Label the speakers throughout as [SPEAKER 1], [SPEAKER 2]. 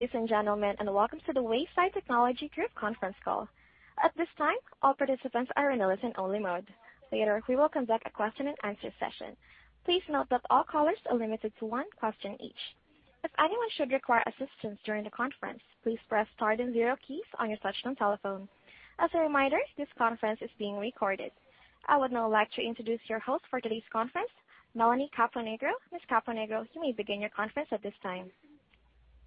[SPEAKER 1] Ladies and gentlemen, and welcome to the Wayside Technology Group conference call. At this time, all participants are in a listen-only mode. Later, we will conduct a question-and-answer session. Please note that all callers are limited to one question each. If anyone should require assistance during the conference, please press star then zero keys on your touchtone telephone. As a reminder, this conference is being recorded. I would now like to introduce your host for today's conference, Melanie Caponigro. Ms. Caponigro, you may begin your conference at this time.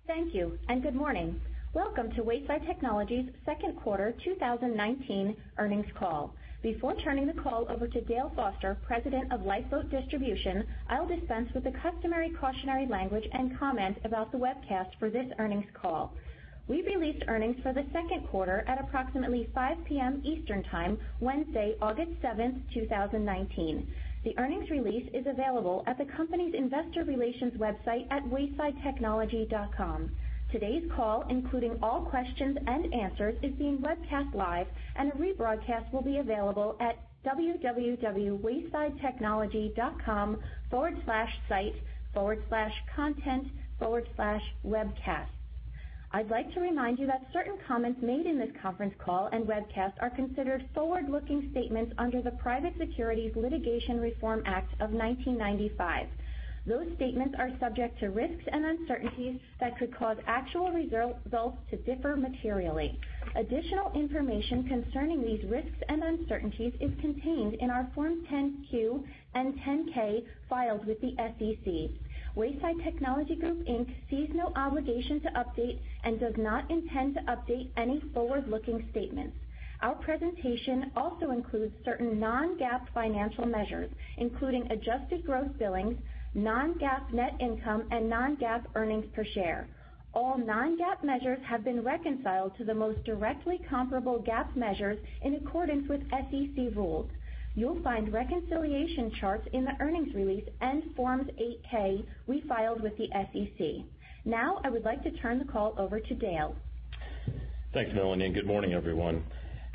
[SPEAKER 2] Thank you, and good morning. Welcome to Wayside Technology's second quarter 2019 earnings call. Before turning the call over to Dale Foster, President of Lifeboat Distribution, I'll dispense with the customary cautionary language and comment about the webcast for this earnings call. We released earnings for the second quarter at approximately 5:00 P.M. Eastern Time, Wednesday, August 7, 2019. The earnings release is available at the company's investor relations website at waysidetechnology.com. Today's call, including all questions and answers, is being webcast live, and a rebroadcast will be available at www.waysidetechnology.com/site/content/webcasts. I'd like to remind you that certain comments made in this conference call and webcast are considered forward-looking statements under the Private Securities Litigation Reform Act of 1995. Those statements are subject to risks and uncertainties that could cause actual results to differ materially. Additional information concerning these risks and uncertainties is contained in our Forms 10-Q and 10-K filed with the SEC. Wayside Technology Group, Inc. sees no obligation to update and does not intend to update any forward-looking statements. Our presentation also includes certain non-GAAP financial measures, including adjusted gross billings, non-GAAP net income, and non-GAAP earnings per share. All non-GAAP measures have been reconciled to the most directly comparable GAAP measures in accordance with SEC rules. You'll find reconciliation charts in the earnings release and Forms 8-K we filed with the SEC. Now, I would like to turn the call over to Dale.
[SPEAKER 3] Thanks, Melanie. Good morning, everyone.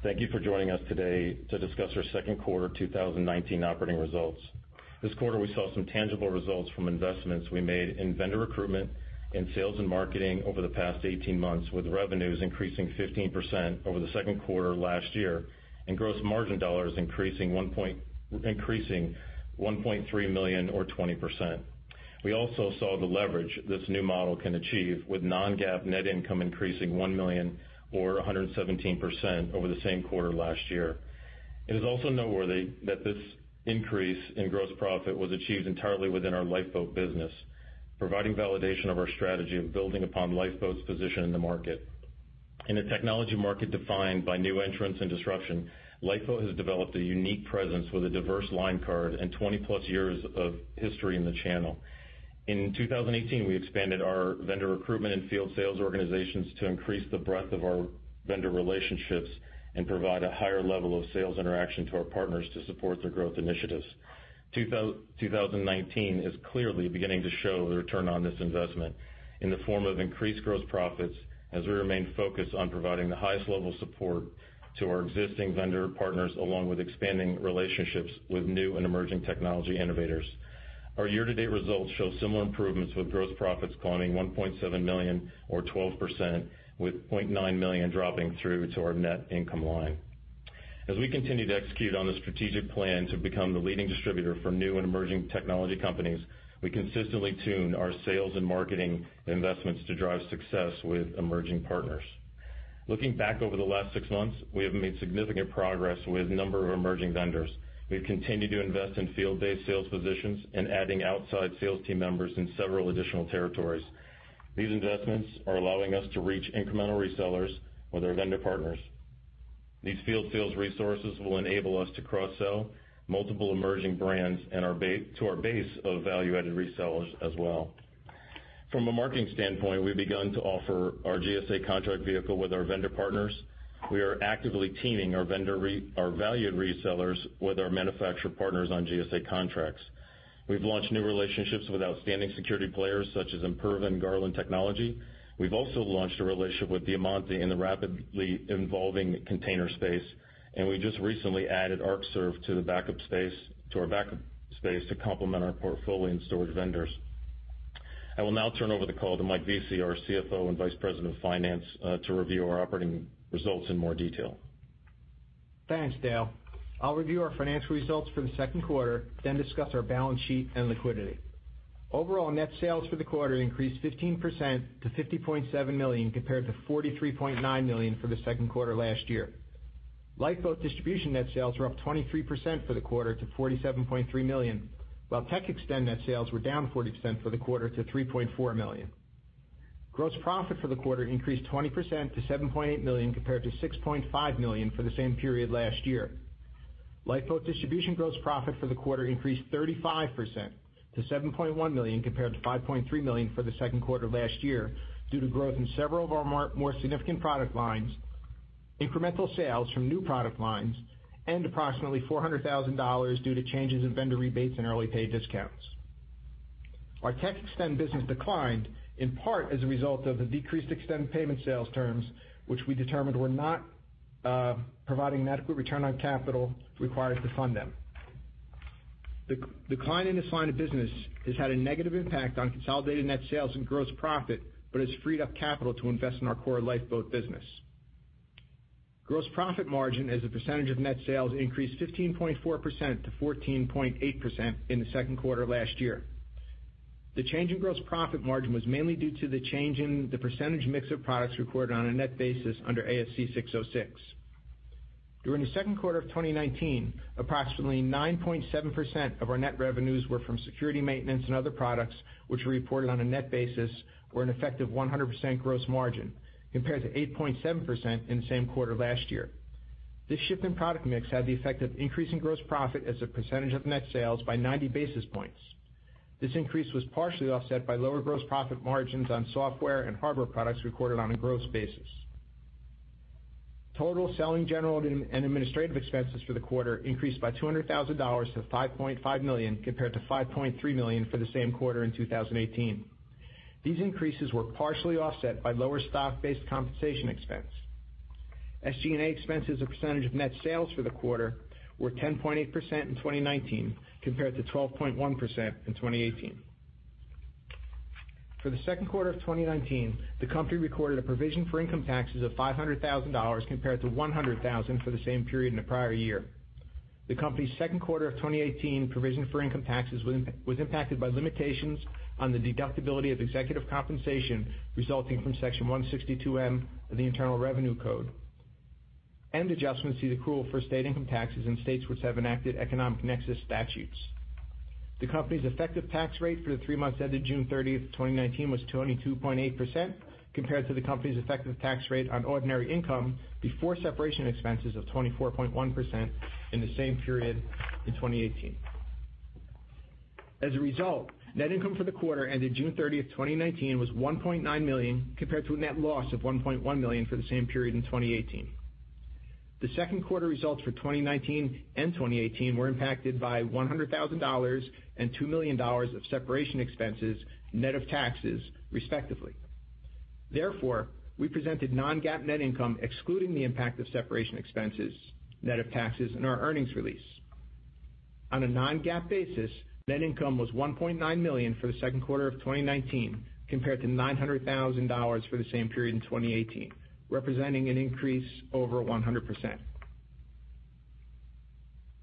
[SPEAKER 3] Thank you for joining us today to discuss our second quarter 2019 operating results. This quarter, we saw some tangible results from investments we made in vendor recruitment, in sales and marketing over the past 18 months, with revenues increasing 15% over the second quarter last year and gross margin dollars increasing $1.3 million or 20%. We also saw the leverage this new model can achieve, with non-GAAP net income increasing $1 million or 117% over the same quarter last year. It is also noteworthy that this increase in gross profit was achieved entirely within our Lifeboat business, providing validation of our strategy of building upon Lifeboat's position in the market. In a technology market defined by new entrants and disruption, Lifeboat has developed a unique presence with a diverse line card and 20-plus years of history in the channel. In 2018, we expanded our vendor recruitment and field sales organizations to increase the breadth of our vendor relationships and provide a higher level of sales interaction to our partners to support their growth initiatives. 2019 is clearly beginning to show the return on this investment in the form of increased gross profits as we remain focused on providing the highest level of support to our existing vendor partners, along with expanding relationships with new and emerging technology innovators. Our year-to-date results show similar improvements, with gross profits climbing $1.7 million or 12%, with $0.9 million dropping through to our net income line. As we continue to execute on the strategic plan to become the leading distributor for new and emerging technology companies, we consistently tune our sales and marketing investments to drive success with emerging partners. Looking back over the last six months, we have made significant progress with a number of emerging vendors. We've continued to invest in field-based sales positions and adding outside sales team members in several additional territories. These investments are allowing us to reach incremental resellers with our vendor partners. These field sales resources will enable us to cross-sell multiple emerging brands to our base of value-added resellers as well. From a marketing standpoint, we've begun to offer our GSA contract vehicle with our vendor partners. We are actively teaming our valued resellers with our manufacturer partners on GSA contracts. We've launched new relationships with outstanding security players such as Imperva and Garland Technology. We've also launched a relationship with Diamanti in the rapidly evolving container space, and we just recently added Arcserve to our backup space to complement our portfolio and storage vendors. I will now turn over the call to Michael Vesey, our CFO and Vice President of Finance, to review our operating results in more detail.
[SPEAKER 4] Thanks, Dale. I will review our financial results for the second quarter, then discuss our balance sheet and liquidity. Overall net sales for the quarter increased 15% to $50.7 million, compared to $43.9 million for the second quarter last year. Lifeboat Distribution net sales were up 23% for the quarter to $47.3 million, while TechXtend net sales were down 40% for the quarter to $3.4 million. Gross profit for the quarter increased 20% to $7.8 million, compared to $6.5 million for the same period last year. Lifeboat Distribution gross profit for the quarter increased 35% to $7.1 million, compared to $5.3 million for the second quarter last year, due to growth in several of our more significant product lines, incremental sales from new product lines, and approximately $400,000 due to changes in vendor rebates and early pay discounts. Our TechXtend business declined, in part as a result of the decreased extended payment sales terms, which we determined were not providing adequate return on capital required to fund them. The decline in this line of business has had a negative impact on consolidated net sales and gross profit, but has freed up capital to invest in our core Lifeboat business. Gross profit margin as a percentage of net sales increased 15.4% to 14.8% in the second quarter of last year. The change in gross profit margin was mainly due to the change in the percentage mix of products recorded on a net basis under ASC 606. During the second quarter of 2019, approximately 9.7% of our net revenues were from security maintenance and other products, which were reported on a net basis or an effective 100% gross margin, compared to 8.7% in the same quarter last year. This shift in product mix had the effect of increasing gross profit as a percentage of net sales by 90 basis points. This increase was partially offset by lower gross profit margins on software and hardware products recorded on a gross basis. Total selling, general, and administrative expenses for the quarter increased by $200,000 to $5.5 million, compared to $5.3 million for the same quarter in 2018. These increases were partially offset by lower stock-based compensation expense. SG&A expenses as a percentage of net sales for the quarter were 10.8% in 2019, compared to 12.1% in 2018. For the second quarter of 2019, the company recorded a provision for income taxes of $500,000 compared to $100,000 for the same period in the prior year. The company's second quarter of 2018 provision for income taxes was impacted by limitations on the deductibility of executive compensation resulting from Section 162(m) of the Internal Revenue Code and adjustments to the accrual for state income taxes in states which have enacted economic nexus statutes. The company's effective tax rate for the three months ended June 30th, 2019, was 22.8%, compared to the company's effective tax rate on ordinary income before separation expenses of 24.1% in the same period in 2018. As a result, net income for the quarter ended June 30th, 2019, was $1.9 million, compared to a net loss of $1.1 million for the same period in 2018. The second quarter results for 2019 and 2018 were impacted by $100,000 and $2 million of separation expenses, net of taxes, respectively. Therefore, we presented non-GAAP net income excluding the impact of separation expenses, net of taxes in our earnings release. On a non-GAAP basis, net income was $1.9 million for the second quarter of 2019 compared to $900,000 for the same period in 2018, representing an increase over 100%.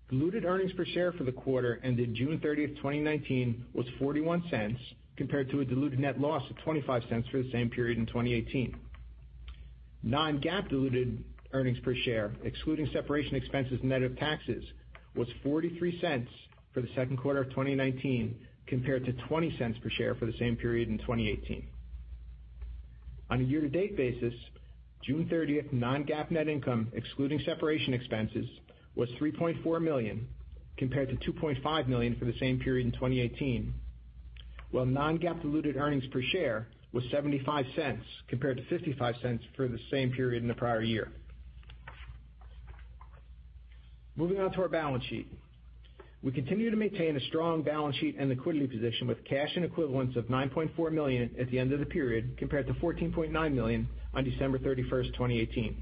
[SPEAKER 4] Diluted earnings per share for the quarter ended June 30th, 2019, was $0.41, compared to a diluted net loss of $0.25 for the same period in 2018. Non-GAAP diluted earnings per share, excluding separation expenses net of taxes, was $0.43 for the second quarter of 2019 compared to $0.20 per share for the same period in 2018. On a year-to-date basis, June 30th non-GAAP net income, excluding separation expenses, was $3.4 million, compared to $2.5 million for the same period in 2018. While non-GAAP diluted earnings per share was $0.75 compared to $0.55 for the same period in the prior year. Moving on to our balance sheet. We continue to maintain a strong balance sheet and liquidity position with cash and equivalents of $9.4 million at the end of the period, compared to $14.9 million on December 31st, 2018.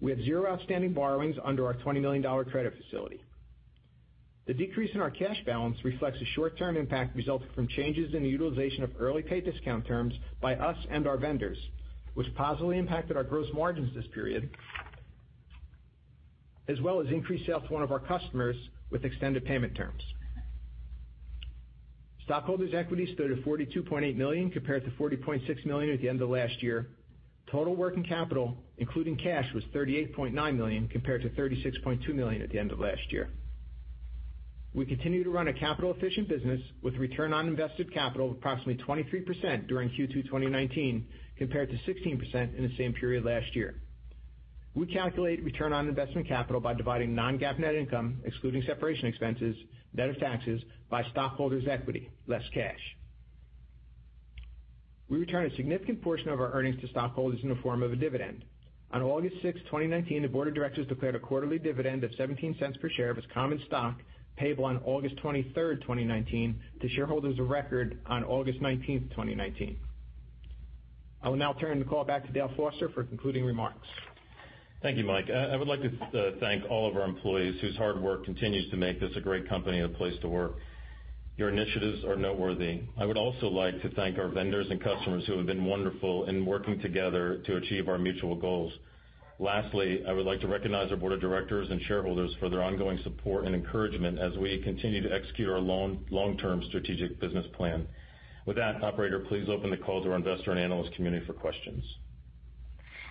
[SPEAKER 4] We have zero outstanding borrowings under our $20 million credit facility. The decrease in our cash balance reflects the short-term impact resulting from changes in the utilization of early pay discount terms by us and our vendors, which positively impacted our gross margins this period, as well as increased sales to one of our customers with extended payment terms. Stockholders' equity stood at $42.8 million compared to $40.6 million at the end of last year. Total working capital, including cash, was $38.9 million, compared to $36.2 million at the end of last year. We continue to run a capital-efficient business with return on invested capital of approximately 23% during Q2 2019, compared to 16% in the same period last year. We calculate return on invested capital by dividing non-GAAP net income, excluding separation expenses, net of taxes, by stockholders' equity, less cash. We return a significant portion of our earnings to stockholders in the form of a dividend. On August 6th, 2019, the board of directors declared a quarterly dividend of $0.17 per share of its common stock, payable on August 23rd, 2019, to shareholders of record on August 19th, 2019. I will now turn the call back to Dale Foster for concluding remarks.
[SPEAKER 3] Thank you, Mike. I would like to thank all of our employees whose hard work continues to make this a great company and a place to work. Your initiatives are noteworthy. I would also like to thank our vendors and customers who have been wonderful in working together to achieve our mutual goals. Lastly, I would like to recognize our board of directors and shareholders for their ongoing support and encouragement as we continue to execute our long-term strategic business plan. With that, operator, please open the call to our investor and analyst community for questions.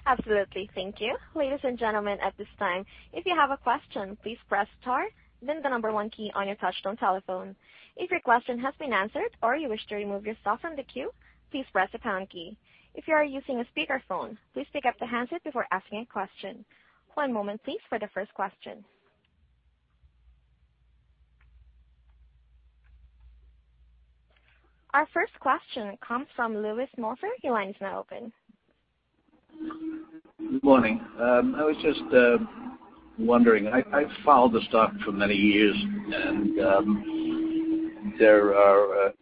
[SPEAKER 1] Absolutely. Thank you. Ladies and gentlemen, at this time, if you have a question, please press star then the number one key on your touchtone telephone. If your question has been answered or you wish to remove yourself from the queue, please press the pound key. If you are using a speakerphone, please pick up the handset before asking a question. One moment, please, for the first question. Our first question comes from Louis Mulford. Your line is now open.
[SPEAKER 5] Good morning. I was just wondering. I've followed the stock for many years. There are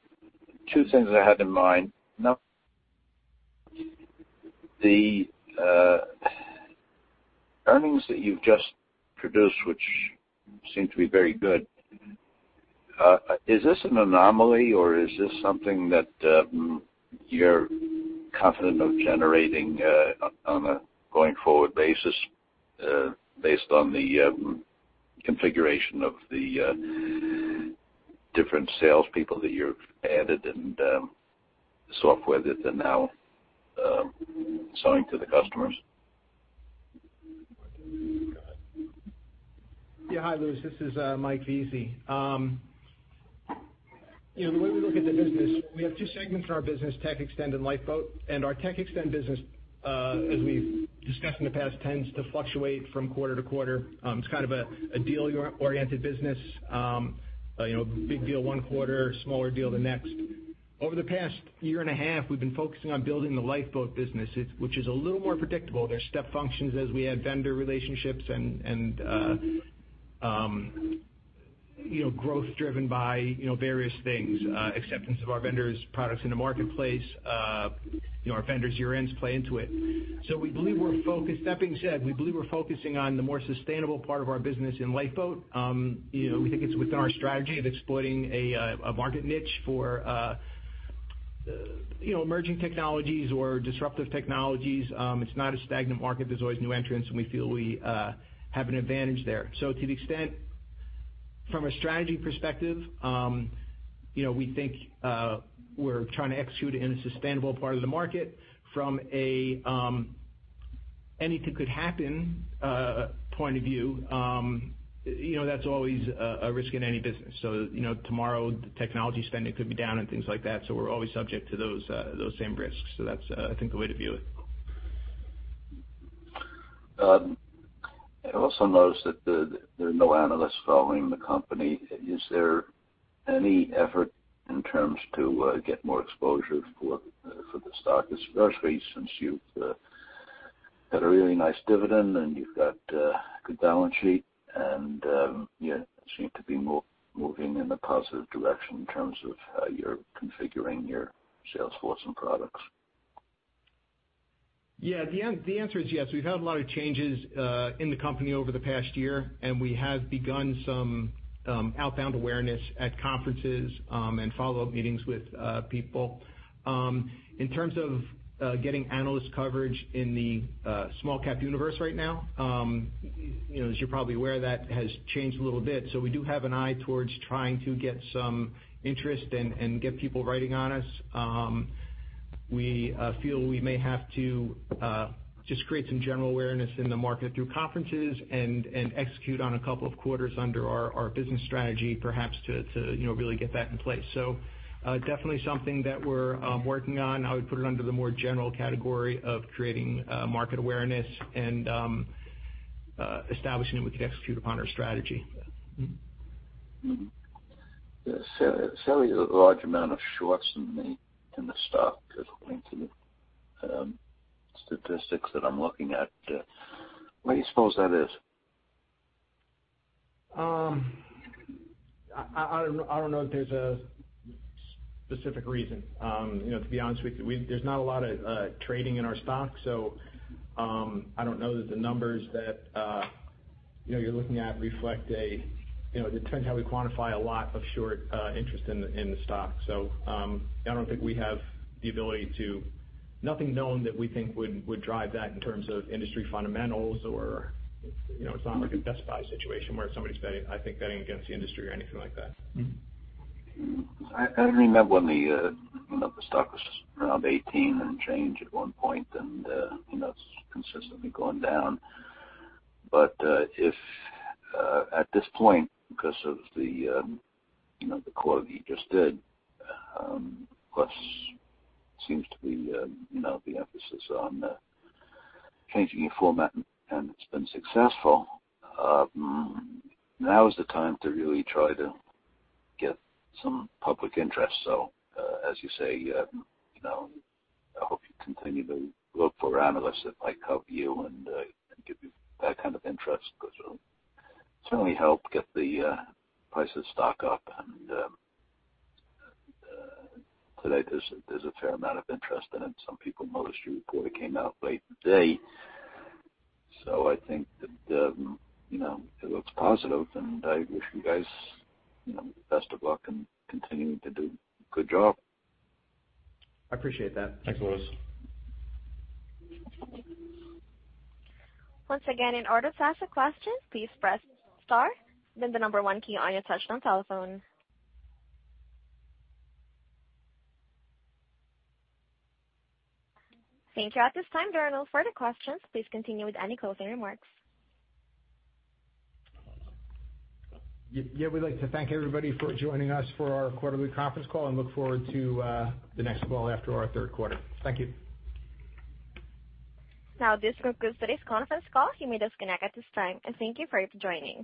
[SPEAKER 5] two things I had in mind. The earnings that you've just produced, which seem to be very good, is this an anomaly or is this something that you're confident of generating on a going forward basis, based on the configuration of the different salespeople that you've added and the software that they're now selling to the customers?
[SPEAKER 4] Yeah. Hi, Louis. This is Mike Vesey. The way we look at the business, we have two segments in our business, TechXtend and Lifeboat. Our TechXtend business, as we've discussed in the past, tends to fluctuate from quarter to quarter. It's kind of a deal-oriented business. Big deal one quarter, smaller deal the next. Over the past year and a half, we've been focusing on building the Lifeboat business, which is a little more predictable. There's step functions as we add vendor relationships and growth driven by various things, acceptance of our vendors' products in the marketplace. Our vendors' year-ends play into it. We believe we're focused. That being said, we believe we're focusing on the more sustainable part of our business in Lifeboat. We think it's within our strategy of exploiting a market niche for emerging technologies or disruptive technologies. It's not a stagnant market. There's always new entrants. We feel we have an advantage there. To the extent, from a strategy perspective, we think we're trying to execute in a sustainable part of the market. From a anything-could-happen point of view, that's always a risk in any business. Tomorrow, the technology spending could be down and things like that, so we're always subject to those same risks. That's, I think, the way to view it.
[SPEAKER 5] I also noticed that there are no analysts following the company. Is there any effort in terms to get more exposure for the stock, especially since you've got a really nice dividend and you've got a good balance sheet, and you seem to be moving in a positive direction in terms of how you're configuring your sales force and products?
[SPEAKER 4] Yeah. The answer is yes. We've had a lot of changes in the company over the past year, and we have begun some outbound awareness at conferences and follow-up meetings with people. In terms of getting analyst coverage in the small cap universe right now, as you're probably aware, that has changed a little bit. We do have an eye towards trying to get some interest and get people writing on us. We feel we may have to just create some general awareness in the market through conferences and execute on a couple of quarters under our business strategy, perhaps, to really get that in place. Definitely something that we're working on. I would put it under the more general category of creating market awareness and establishing that we can execute upon our strategy.
[SPEAKER 5] Certainly, a large amount of shorts in the stock, according to the statistics that I'm looking at. Why do you suppose that is?
[SPEAKER 4] I don't know if there's a specific reason. To be honest with you, there's not a lot of trading in our stock, I don't know that the numbers that you're looking at reflect. It depends how we quantify a lot of short interest in the stock. I don't think we have the ability. Nothing known that we think would drive that in terms of industry fundamentals. It's not like a test buy situation where somebody's, I think, betting against the industry or anything like that.
[SPEAKER 5] I remember when the stock was around 18 and change at one point, and it's consistently gone down. If at this point, because of the call that you just did, plus seems to be the emphasis on changing your format, and it's been successful. Now is the time to really try to get some public interest. As you say, I hope you continue to look for analysts that might help you and give you that kind of interest because it'll certainly help get the price of stock up. Today, there's a fair amount of interest in it. Some people noticed your report came out late today. I think that it looks positive, and I wish you guys the best of luck in continuing to do a good job.
[SPEAKER 4] I appreciate that.
[SPEAKER 3] Thanks, Louis.
[SPEAKER 1] Once again, in order to ask a question, please press star, then the number 1 key on your touchtone telephone. Thank you. At this time, there are no further questions. Please continue with any closing remarks.
[SPEAKER 4] Yeah. We'd like to thank everybody for joining us for our quarterly conference call and look forward to the next call after our third quarter. Thank you.
[SPEAKER 1] This concludes today's conference call. You may disconnect at this time, and thank you for joining.